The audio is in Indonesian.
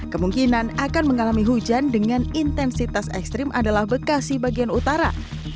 kemungkinan akan mengalami hujan dengan intensitas ekstrim adalah bekasi bagian utara